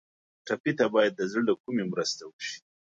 ټپي ته باید د زړه له کومي مرسته وشي.